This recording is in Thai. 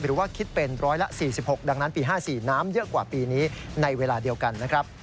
หรือว่าคิดเป็นร้อยละ๔๖ดังนั้นปี๕๔น้ำเยอะกว่าปีนี้ในเวลาเดียวกันนะครับ